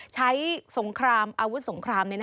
สงครามอาวุธสงคราม